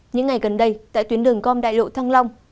những ngày gần đây tại tuyến đường gom đại lộ thăng long